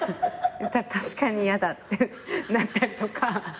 「確かに嫌だ」ってなったりとか。